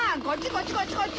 こっちこっちこっち！